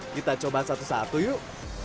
kita coba satu satu yuk